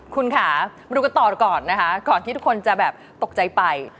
คุณค่ะมาดูกันต่อก่อนนะคะก่อนที่ทุกคนจะแบบตกใจไป